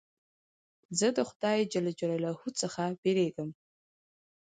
زه د خدای جل جلاله څخه بېرېږم.